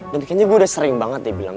dan kayaknya gue udah sering banget nih bilang